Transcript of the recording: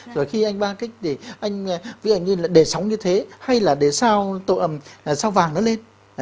rồi khi anh ba kích thì anh ví dụ như là để sóng như thế hay là để sao vàng nó lên